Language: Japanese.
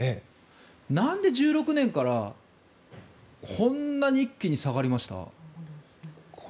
なんで１６年からこんなに一気に下がりました？